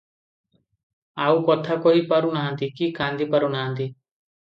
ଆଉ କଥା କହି ପାରୁ ନାହାନ୍ତି, କି କାନ୍ଦି ପାରୁ ନାହାନ୍ତି ।